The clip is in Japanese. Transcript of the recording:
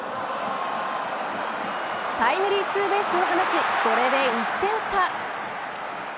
タイムリーツーベースを放ちこれで１点差。